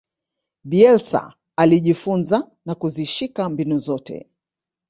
bielsa alijifunza na kuzishika mbinu zote